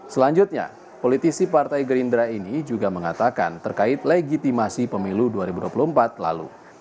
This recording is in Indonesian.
selanjutnya politisi partai gerindra ini juga mengatakan terkait legitimasi pemilu dua ribu dua puluh empat lalu